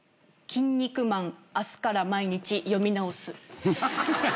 キン肉マン明日から毎日読み直す。